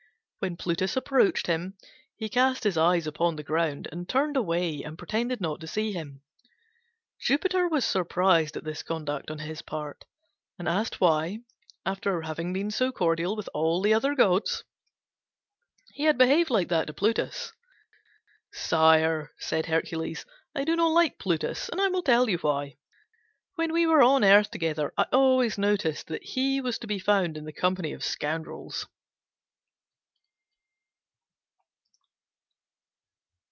When Plutus approached him, he cast his eyes upon the ground, and turned away and pretended not to see him. Jupiter was surprised at this conduct on his part, and asked why, after having been so cordial with all the other gods, he had behaved like that to Plutus. "Sire," said Hercules, "I do not like Plutus, and I will tell you why. When we were on earth together I always noticed that he was to be found in the company of scoundrels."